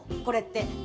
これって。